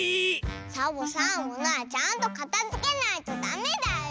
サボさんものはちゃんとかたづけないとダメだよ。